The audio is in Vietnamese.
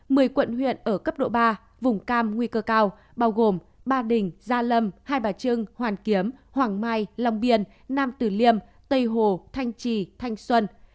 mười quận huyện ở cấp độ ba vùng cam nguy cơ cao bao gồm ba đình gia lâm hai bà trưng hoàn kiếm hoàng mai long biên nam tử liêm tây hồ thanh trì thanh xuân